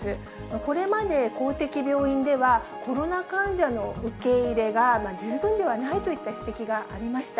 これまで、公的病院ではコロナ患者の受け入れが十分ではないといった指摘がありました。